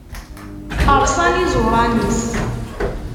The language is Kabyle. Rṣan iẓuṛan-is.